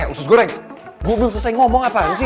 eh usus goreng gue belum selesai ngomong apaan sih